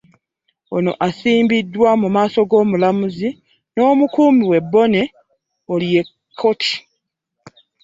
Ono asimbiddwa mu maaso g'omulamuzi n'omukuumi we, Bonny Oriekot.